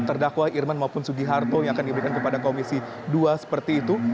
terdakwa irman maupun sugiharto yang akan diberikan kepada komisi dua seperti itu